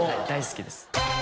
大好きです